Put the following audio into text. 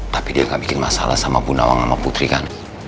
tapi dia nggak bikin masalah sama bu nawang sama putri kan